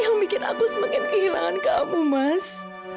yang bikin aku semakin kehilangan kamu mas